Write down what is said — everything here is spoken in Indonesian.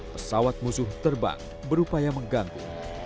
pesawat musuh terbang berupaya mengganggu